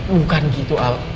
bukan gitu al